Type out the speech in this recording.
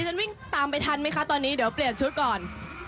ฉันวิ่งตามไปทันไหมคะตอนนี้เดี๋ยวเปลี่ยนชุดก่อน